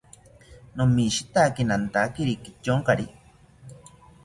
Nomishitaki nantakiri kityonkari